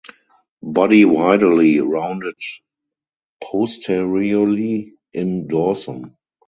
Body widely rounded posteriorly in dorsum.